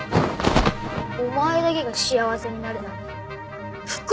お前だけが幸せになるなんて不公平だ！